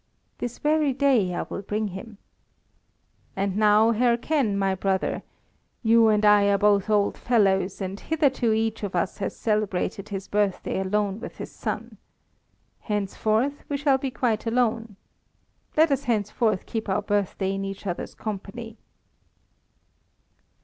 "This very day I will bring him." "And now, hearken, my brother. You and I are both old fellows, and hitherto each of us has celebrated his birthday alone with his son. Henceforth we shall be quite alone. Let us henceforth keep our birthday in each other's company."